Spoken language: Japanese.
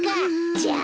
じゃあ。